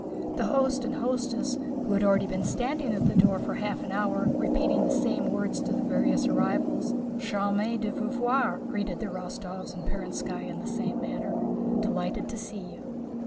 The host and hostess, who had already been standing at the door for half an hour repeating the same words to the various arrivals, "Charmé de vous voir," * greeted the Rostóvs and Perónskaya in the same manner. * "Delighted to see you."